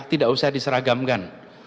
tidak usah diseragamkan